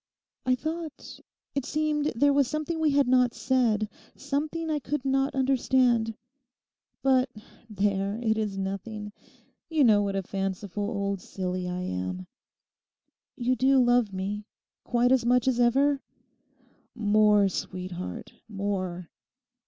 'I thought—it seemed there was something we had not said, something I could not understand. But there, it is nothing! You know what a fanciful old silly I am. You do love me? Quite as much as ever?' 'More, sweetheart, more!